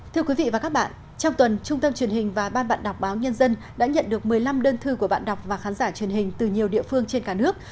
thưa quý vị và các bạn trong tuần trung tâm truyền hình và ban bạn đọc báo nhân dân đã nhận được một mươi năm đơn thư của bạn đọc và khán giả truyền hình từ nhiều địa phương trên cả nước